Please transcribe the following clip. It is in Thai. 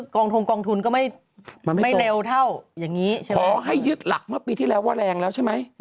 ขอให้ยึดหลักเมื่อปีที่แล้วว่าแรงแล้วใช่ไหม